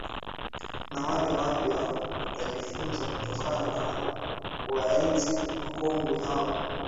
Na wale wapya watajifunza kutokana na kuwaenzi wakongwe hawa